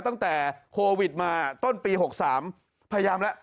ตั้งแต่โควิดมาต้นปี๖๓พยายามแล้ว